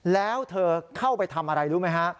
แล้วเธอเข้าไปทำอะไรรู้ไหมฮะ